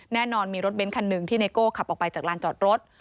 แน่นอนมีรถเบ้นคันหนึ่งที่ไนโก้ขับออกไปจากลานจอดรถ